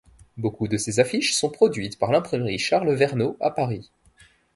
Beaucoup de ces affiches sont produites par l'imprimerie Charles Verneau à Paris.